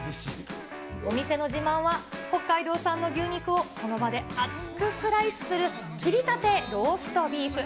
お店の自慢は、北海道産の牛肉をその場で厚くスライスする、切りたてローストビーフ。